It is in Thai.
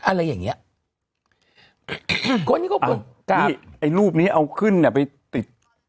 อะไรอย่างเงี้ยคนนี้ก็คนที่ไอ้รูปนี้เอาขึ้นเนี้ยไปติด